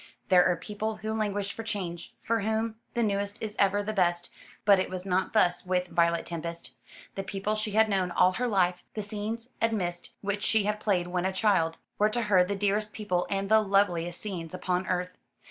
There are people who languish for change, for whom the newest is ever the best; but it was not thus with Violet Tempest. The people she had known all her life, the scenes amidst which she had played when a child, were to her the dearest people and the loveliest scenes upon earth.